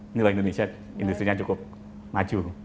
ini lah indonesia industri nya cukup maju